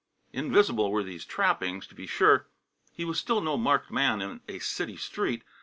Invisible were these trappings, to be sure; he was still no marked man in a city street.